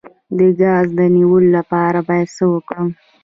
د ګاز د نیولو لپاره باید څه وکړم؟